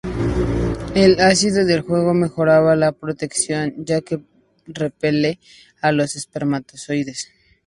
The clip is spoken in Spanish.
El ácido del jugo mejoraba la protección, ya que repele a los espermatozoides.